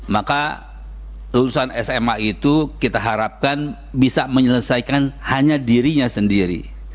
maka lulusan sma itu kita harapkan bisa menyelesaikan hanya dirinya sendiri